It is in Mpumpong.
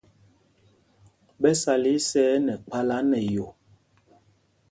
Ɓɛ sala isɛɛ nɛ kphālā nɛ yo.